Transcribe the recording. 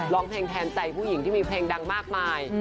ร้องเพลงแทนใจผู้หญิงที่มีเพลงดังมากมาย